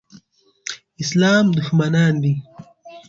اسلام دښمنان دي.